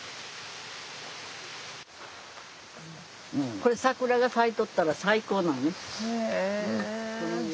これ桜が咲いとったら最高なのよ。